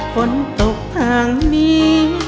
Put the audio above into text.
ฝนตกทางนี้